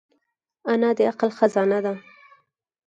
انا د عقل خزانه ده